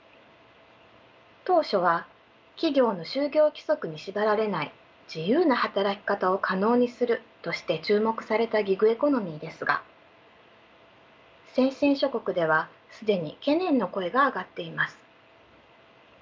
当初は企業の就業規則に縛られない自由な働き方を可能にするとして注目されたギグエコノミーですが先進諸国では既に懸念の声が上がっています。